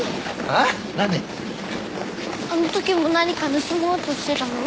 あのときも何か盗もうとしてたの？